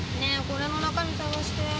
これの中身探して。